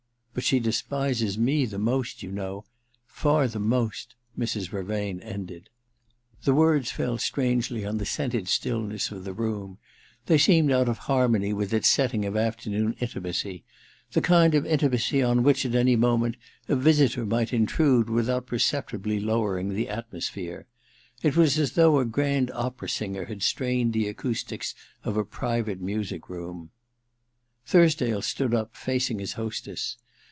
But she despises me the most, you know — far the most ' Mrs. Vervain ended. The words fell strangely on the scented still ness of the room : they seemed out of harmony with its setting of afternoon intimacy, the kind of intimacy on which, at any moment, a visitor might intrude without perceptibly lowering the atmosphere. It was as though a grand opera singer had strained the acoustics of a private music room. Thursdale stood up, facing his hostess.